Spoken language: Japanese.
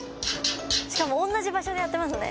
しかも同じ場所でやってますね。